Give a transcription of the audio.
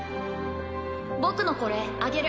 僕のこれあげる